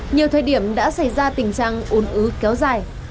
nhiều thời điểm đã xảy ra tình trạng ồn ứ kéo dài